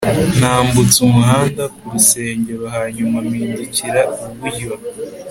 nambutse umuhanda ku rusengero hanyuma mpindukirira iburyo